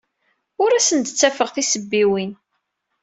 Ur asen-d-ttafeɣ tisebbiwin.